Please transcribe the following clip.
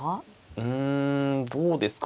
うんどうですかね。